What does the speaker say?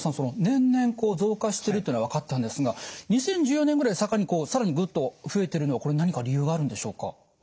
年々増加してるっていうのは分かったんですが２０１４年ぐらいを境に更にぐっと増えているのは何か理由があるんでしょうか？